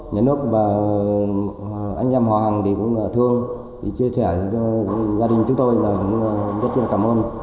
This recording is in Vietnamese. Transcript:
nhà nước và anh em họ hàng thì cũng thương chia sẻ cho gia đình chúng tôi là cũng rất là cảm ơn